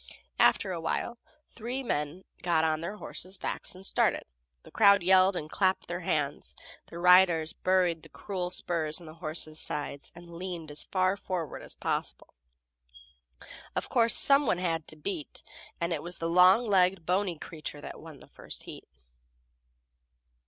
After a while three men got on their horses' backs and started. The crowd yelled and clapped their hands; the riders buried the cruel spurs in the horses' sides, and leaned as far forward as possible. Of course, some one had to beat, and it was a long legged, bony creature that won the first heat.